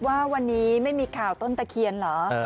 ว่าวันนี้ไม่มีข่าวต้นตะเคียนเหรอ